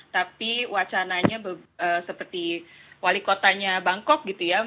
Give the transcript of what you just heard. tapi wacananya seperti wali kotanya bangkok gitu ya